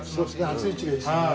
熱いうちがいいですよね。